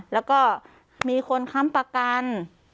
แล้วก็มีคนค้ำประกัน